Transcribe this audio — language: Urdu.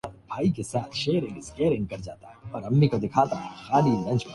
نہ بیرونی دباؤ۔